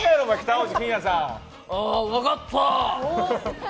分かった。